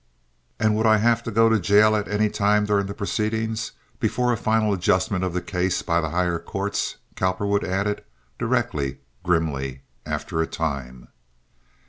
"And would I have to go to jail at any time during the proceedings—before a final adjustment of the case by the higher courts?" Cowperwood added, directly, grimly, after a time.